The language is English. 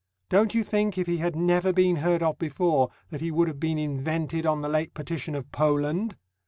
Don't you think, if he had never been heard of before, that he would have been invented on the late partition of Poland?"